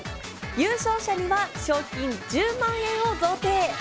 優勝者には賞金１０万円を贈呈。